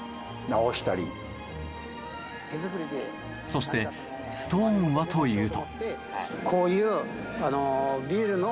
そしてストーンはというと。